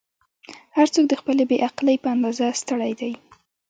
"هر څوک د خپلې بې عقلۍ په اندازه ستړی دی.